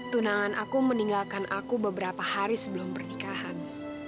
tunangan aku meninggalkan aku beberapa hari sebelum pernikahan